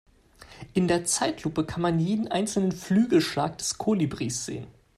In der Zeitlupe kann man jeden einzelnen Flügelschlag des Kolibris sehen.